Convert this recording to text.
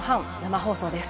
放送です。